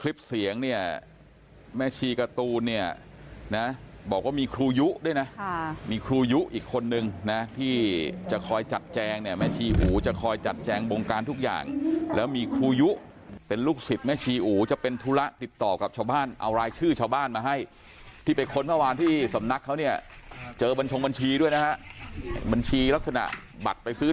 คลิปเสียงเนี่ยแม่ชีการ์ตูนเนี่ยนะบอกว่ามีครูยุด้วยนะมีครูยุอีกคนนึงนะที่จะคอยจัดแจงเนี่ยแม่ชีอูจะคอยจัดแจงบงการทุกอย่างแล้วมีครูยุเป็นลูกศิษย์แม่ชีอู๋จะเป็นธุระติดต่อกับชาวบ้านเอารายชื่อชาวบ้านมาให้ที่ไปค้นเมื่อวานที่สำนักเขาเนี่ยเจอบัญชงบัญชีด้วยนะฮะบัญชีลักษณะบัตรไปซื้อ